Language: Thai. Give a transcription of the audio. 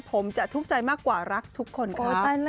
ผมจะทุกข์ใจมากกว่ารักทุกคน